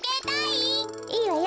いいわよ。